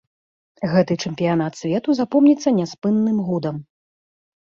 Гэты чэмпіянат свету запомніцца няспынным гудам.